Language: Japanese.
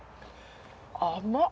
甘っ。